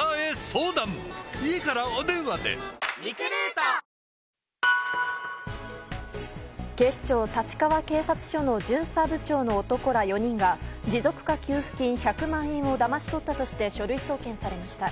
日付変わって土曜日には、男子準警視庁立川警察署の巡査部長の男ら４人が、持続化給付金１００万円をだまし取ったとして書類送検されました。